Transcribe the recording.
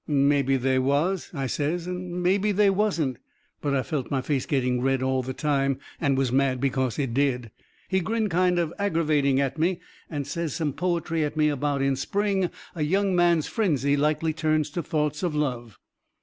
"Mebby they was," I says, "and mebby they wasn't." But I felt my face getting red all the same, and was mad because it did. He grinned kind of aggervating at me and says some poetry at me about in the spring a young man's frenzy likely turns to thoughts of love.